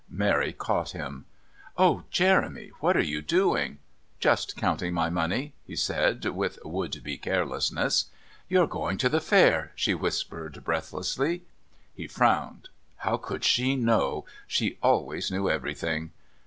Mary caught him. "Oh, Jeremy, what are you doing?" "Just counting my money," he said, with would be carelessness. "You're going to the Fair?" she whispered breathlessly. He frowned. How could she know? She always knew everything.